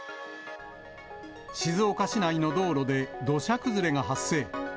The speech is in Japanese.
静岡市内の道路で土砂崩れが発生。